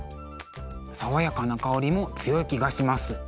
爽やかな香りも強い気がします。